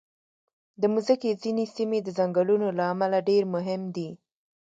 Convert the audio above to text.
د مځکې ځینې سیمې د ځنګلونو له امله ډېر مهم دي.